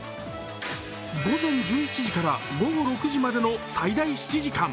午前１１時から午後６時までの最大７時間。